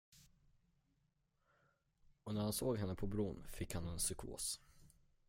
Och när han såg henne på bron fick han en psykos.